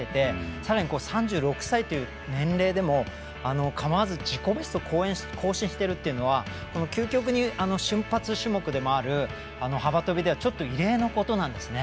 さらに３６歳という年齢でも構わず、自己ベストを更新しているというのは究極な瞬発種目でもある幅跳びでは異例のことなんですね。